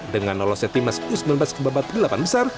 dengan lolosnya tim nasional u sembilan belas kebobot delapan besar